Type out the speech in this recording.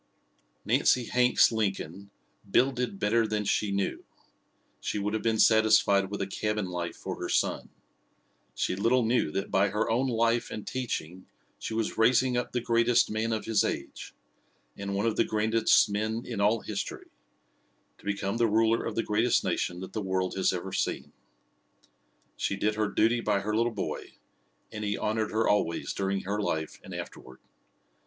Nancy Hanks Lincoln "builded better than she knew." She would have been satisfied with a cabin life for her son. She little knew that by her own life and teaching she was raising up the greatest man of his age, and one of the grandest men in all history, to become the ruler of the greatest nation that the world has ever seen. She did her duty by her little boy and he honored her always during her life and afterward.